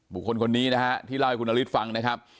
คนนี้นะฮะที่เล่าให้คุณนฤทธิ์ฟังนะครับ